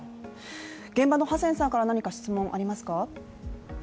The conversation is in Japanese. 現場のハセンさんから何か質問ありますか？